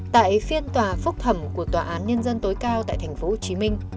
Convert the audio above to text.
tại phiên tòa phúc thẩm của tòa án nhân dân tối cao tại tp hcm